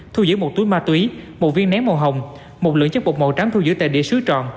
thu giữ một túi ma túy một viên nén màu hồng một lượng chất bột màu trắng thu giữ tại địa sứ trọn